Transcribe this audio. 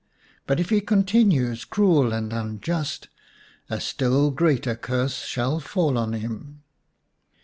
But if he continues cruel and unjust a still greater curse shall fall on him."